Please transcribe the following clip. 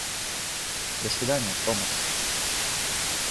До свидания, Томас.